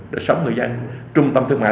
để sống người dân trung tâm thương mại